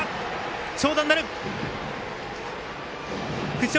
長打になる！